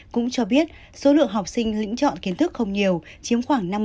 cũng cho biết số lượng học sinh lĩnh chọn kiến thức không nhiều chiếm khoảng năm mươi